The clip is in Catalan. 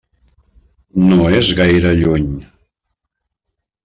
No és gaire lluny.